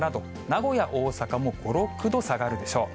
名古屋、大阪も５、６度下がるでしょう。